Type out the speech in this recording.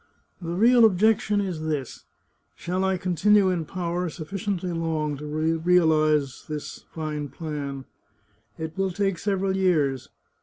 The real objection is this : Shall I continue in power sufficiently long to realize this fine plan? It will take several years.